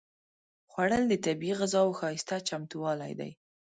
خوړل د طبیعي غذاوو ښايسته چمتووالی دی